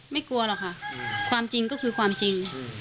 กลัวหรอกค่ะความจริงก็คือความจริง